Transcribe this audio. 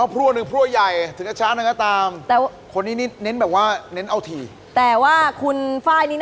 โปรดติดตามตอนต่อไป